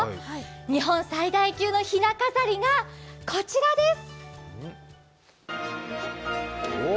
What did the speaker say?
日本最大級のひな飾りがこちらです！